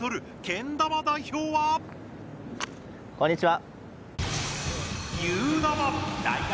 こんにちは。